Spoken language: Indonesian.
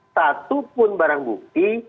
satupun barang bukti